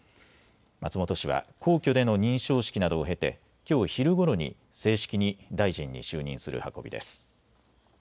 松本氏は皇居での認証式などを経て、きょう昼ごろに正式に大臣に就任する運びです。